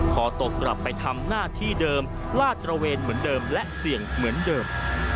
ขอตกกลับไปทำหน้าที่เดิมลาดตระเวนเหมือนเดิมและเสี่ยงเหมือนเดิม